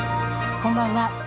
こんばんは。